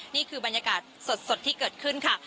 นี่คือบรรยากาศสดที่เกิดขึ้นค่ะ